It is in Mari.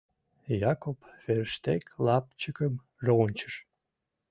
Якоб Ферштег лапчыкым рончыш.